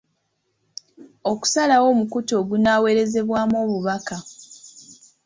Okusalawo omukutu ogunaaweerezebwamu obubaka.